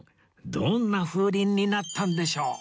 どんな風鈴になったんでしょう？